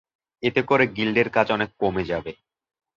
এতে করে গিল্ডের কাজ অনেক কমে যাবে।